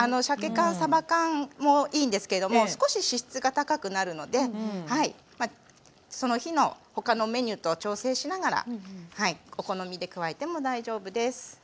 しゃけ缶さば缶もいいんですけれども少し脂質が高くなるのでその日のほかのメニューと調整しながらお好みで加えても大丈夫です。